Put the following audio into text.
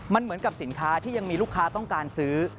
มันเหมือนกับสินค้าที่ยังมีลูกค้าต้องการซื้อ